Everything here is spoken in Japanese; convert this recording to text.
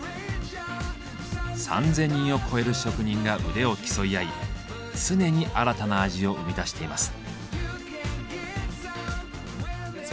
３，０００人を超える職人が腕を競い合い常に新たな味を生み出しています。